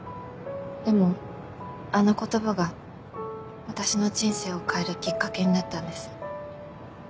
でもあの言葉が私の人生を変えるきっかけになったんです。